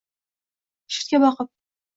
Shiftga boqib